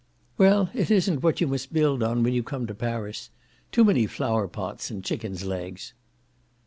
"Well, it isn't what you must build on when you come to Paris. Too many flowerpots and chickens' legs."